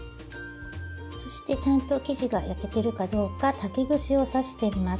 そしてちゃんと生地が焼けてるかどうか竹串を刺してみます。